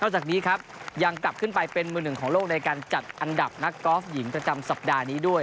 จากนี้ครับยังกลับขึ้นไปเป็นมือหนึ่งของโลกในการจัดอันดับนักกอล์ฟหญิงประจำสัปดาห์นี้ด้วย